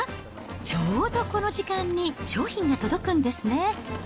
ちょうどこの時間に、商品が届くんですね。